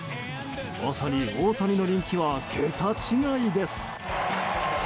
まさに大谷の人気はけた違いです。